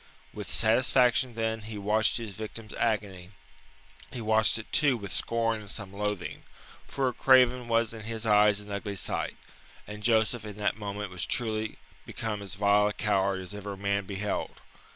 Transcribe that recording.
With satisfaction then he watched his victim's agony; he watched it too with scorn and some loathing for a craven was in his eyes an ugly sight, and Joseph in that moment was truly become as vile a coward as ever man beheld.